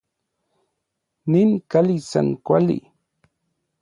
Nin kali san kuali.